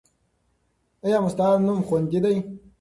ایا مستعار نوم خوندي دی؟